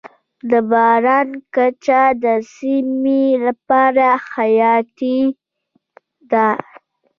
د باران کچه د سیمې لپاره حیاتي ده.